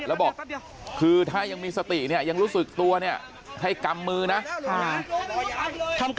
แล้วบอกคือถ้ายังมีสติเนี่ยยังรู้สึกตัวเนี่ยให้กำมือนะ